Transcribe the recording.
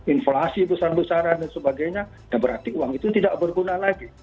inflasi besar besaran dan sebagainya ya berarti uang itu tidak berguna lagi